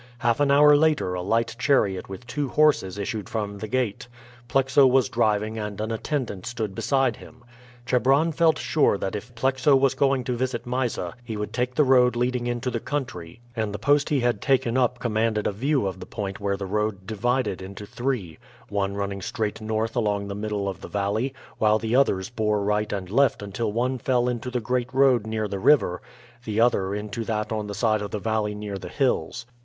Half an hour later a light chariot with two horses issued from the gate. Plexo was driving and an attendant stood beside him. Chebron felt sure that if Plexo was going to visit Mysa he would take the road leading into the country, and the post he had taken up commanded a view of the point where the road divided into three one running straight north along the middle of the valley, while the others bore right and left until one fell into the great road near the river, the other into that on the side of the valley near the hills.